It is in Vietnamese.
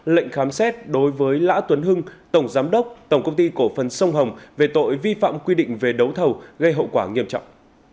lệnh khám xét đối với lã tuấn hưng tổng giám đốc tổng công ty cổ phần sông hồng về tội vi phạm quy định về đấu thầu gây hậu quả nghiêm trọng